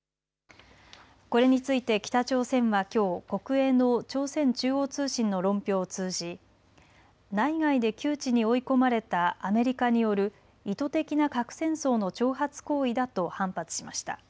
これについて北朝鮮はきょう国営の朝鮮中央通信の論評を通じ内外で窮地に追い込まれたアメリカによる意図的な核戦争の挑発行為だと反発しました。